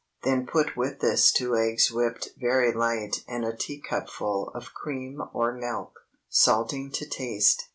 Then put with this two eggs whipped very light and a teacupful of cream or milk, salting to taste.